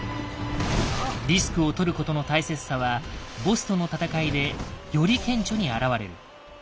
リスクをとることの大切さはボスとの戦いでより顕著にあらわれる。